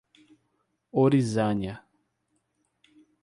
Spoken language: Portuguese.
Orizânia